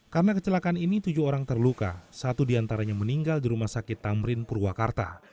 karena kecelakaan ini tujuh orang terluka satu diantaranya meninggal di rumah sakit tamrin purwakarta